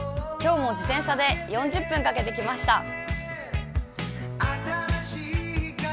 今日も自転車で４０分かけて来ました。